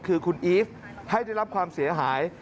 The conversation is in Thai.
คือคุณอีฟให้ได้รับความเสียหาย